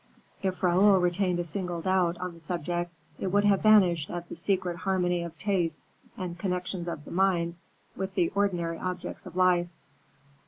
If Raoul retained a single doubt on the subject, it would have vanished at the secret harmony of tastes and connection of the mind with the ordinary objects of life.